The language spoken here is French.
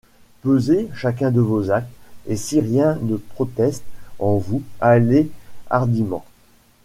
Pesez chacun de vos actes, et si rien ne proteste en vous, allez hardiment…